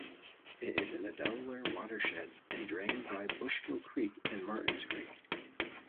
It is in the Delaware watershed and drained by Bushkill Creek and Martins Creek.